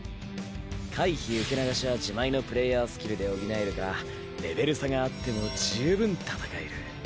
回避受け流しは自前のプレイヤースキルで補えるからレベル差があっても十分戦える。